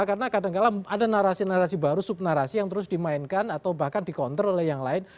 karena kadang kadang ada narasi narasi baru sub narasi yang terus dimainkan atau bahkan dikontrol oleh yang lain